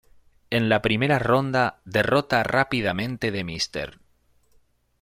En la primera ronda, derrota rápidamente de Mr.